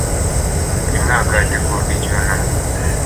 buri mwaka hategurwa icyunamo